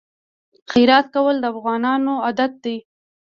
خیرات کول د افغانانو عادت دی.